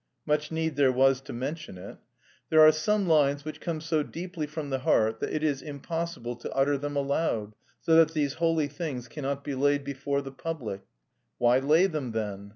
(Much need there was to mention it!) "There are some lines which come so deeply from the heart that it is impossible to utter them aloud, so that these holy things cannot be laid before the public" (Why lay them then?)